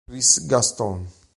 Chris Gaston